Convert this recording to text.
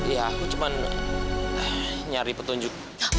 ya aku cuma nyari petunjuk